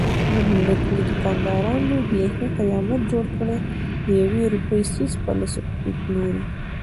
زموږ د کلي دوکاندارانو بیخي قیامت جوړ کړی دیوې روپۍ څيز په لس پلوري.